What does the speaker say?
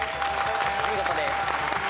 お見事です。